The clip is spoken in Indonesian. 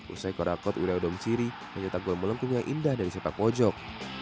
usai korakot wireodongsiri mencetak gol melengkung yang indah dari sepak pojok